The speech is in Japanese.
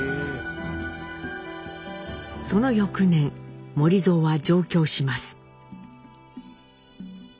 その翌年守造は上京します。